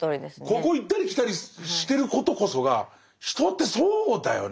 ここを行ったり来たりしてることこそが「人ってそうだよね」